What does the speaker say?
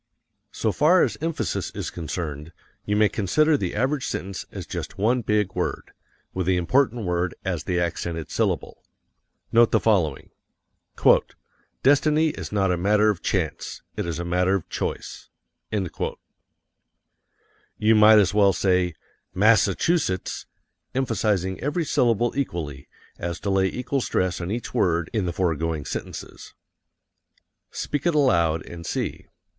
So far as emphasis is concerned, you may consider the average sentence as just one big word, with the important word as the accented syllable. Note the following: "Destiny is not a matter of chance. It is a matter of choice." You might as well say MASS A CHU SETTS, emphasizing every syllable equally, as to lay equal stress on each word in the foregoing sentences. Speak it aloud and see.